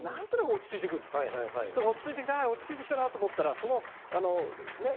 落ち着いてきたな落ち着いてきたなと思ったら。